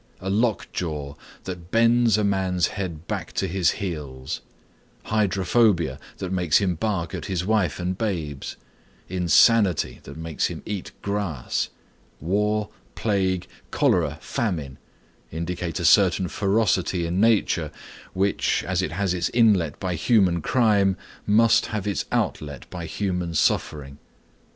A lock jaw that bends a man's head back to his heels; hydrophobia that makes him bark at his wife and babes; insanity that makes him eat grass; war, plague, cholera, famine, indicate a certain ferocity in nature, which, as it had its inlet by human crime, must have its outlet by human suffering.